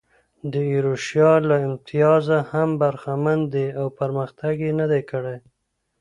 د ایروشیا له امتیازه هم برخمن دي او پرمختګ یې نه دی کړی.